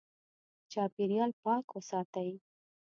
چاپېریال پاک وساتئ.